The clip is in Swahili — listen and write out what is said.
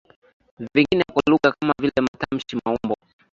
vingine vya lugha kama vile matamshi maumbo